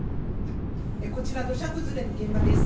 こちら土砂崩れの現場です。